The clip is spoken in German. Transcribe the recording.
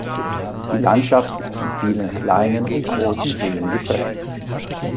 Die Landschaft ist von vielen kleinen und großen Seen geprägt.